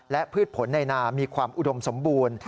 และพืชผลในนามีความอุดมสมบูรณ์